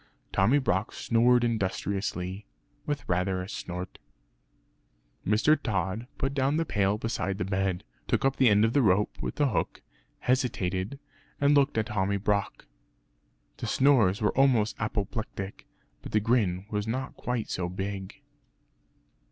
Tommy Brock snored industriously, with rather a snort. Mr. Tod put down the pail beside the bed, took up the end of rope with the hook hesitated, and looked at Tommy Brock. The snores were almost apoplectic; but the grin was not quite so big.